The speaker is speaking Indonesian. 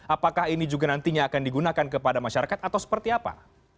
apakah ini juga nantinya akan digunakan kepada masyarakat atau seperti apa